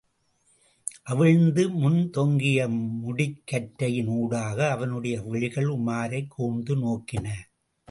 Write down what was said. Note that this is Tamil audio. அவிழ்ந்து முன் தொங்கிய முடிக்கற்றையின் ஊடாக அவனுடைய விழிகள் உமாரைக் கூர்ந்து நோக்கின.